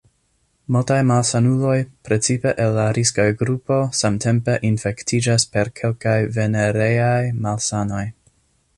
Multaj malsanuloj, precipe el la riska grupo, samtempe infektiĝas per kelkaj venereaj malsanoj.